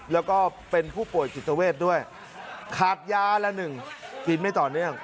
แล้วก็เป็นผู้ป่วยจิตเวทด้วยขาดยาละหนึ่งกินไม่ต่อเนื่อง